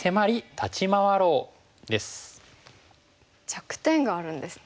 弱点があるんですね。